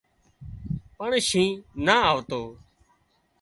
پڻ شينهن نا آوتو